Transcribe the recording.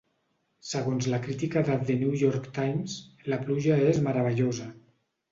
Segons la crítica de "The New York Times", "La pluja és meravellosa.